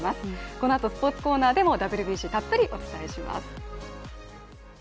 このあとスポーツコーナーでもＷＢＣたっぷりお伝えします。